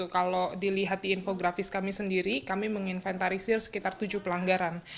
kalau dilihat di infografis kami sendiri kami menginventarisir sekitar tujuh pelanggaran